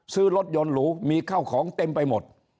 ซื้อรถยนต์หรูมีข้าวของเต็มไปหมด